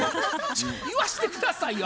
言わして下さいよ。